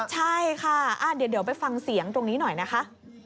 ใช่ค่ะเดี๋ยวไปฟังเสียงตรงนี้หน่อยนะคะ